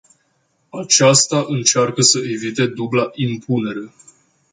Aceasta încearcă să evite dubla impunere.